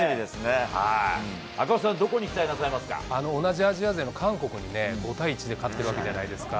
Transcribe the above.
赤星さん、どこに期待なさい同じアジア勢の韓国にね、５対１で勝ってるわけじゃないですか。